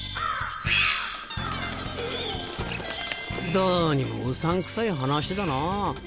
どうにもうさんくさい話だなぁ。